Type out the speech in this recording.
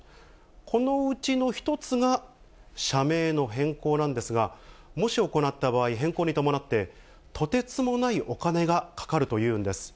このうちの１つが社名の変更なんですが、もし行った場合、変更に伴ってとてつもないお金がかかるというんです。